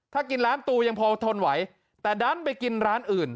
ถ้ากินร้านตูยังพอทนไหวแต่ดันไปกินร้านอื่น